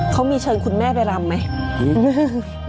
เขามีเชิญคุณแม่ไปรำไหม